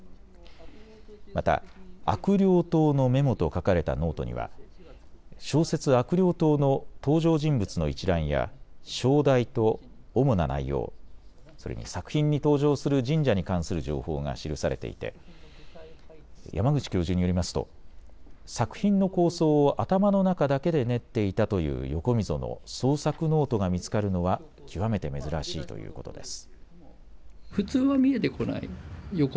また悪霊島のメモと書かれたノートには小説悪霊島の登場人物の一覧や章題と主な内容、それに作品に登場する神社に関する情報が記されていて山口教授によりますと作品の構想を頭の中だけで練っていたという横溝の創作ノートが見つかるのは極めて珍しいということです。